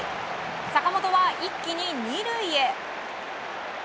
坂本は一気に２塁へ。